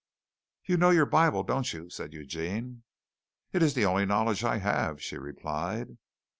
'" "You know your Bible, don't you?" said Eugene. "It is the only knowledge I have," she replied.